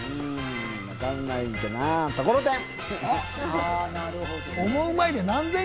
わかんないけれども、ところてん。